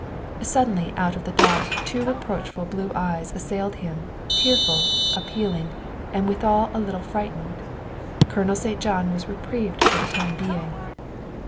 Suddenly out of the dusk two reproachful blue eyes assailed him, tearful, appealing, and withal a little frightened. Colonel St. John was reprieved for the time being.